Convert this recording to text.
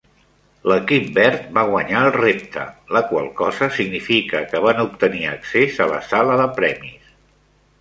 L'equip verd va guanyar el repte, la qual cosa significa que van obtenir accés a la sala de premis.